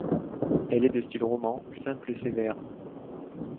Elle est de style roman simple et sévère.